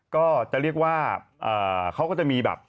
ก็จะเรียกว่าเขาก็จะมีแบบ